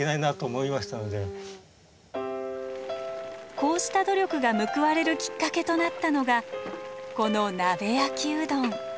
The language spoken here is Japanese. こうした努力が報われるきっかけとなったのがこの鍋焼きうどん。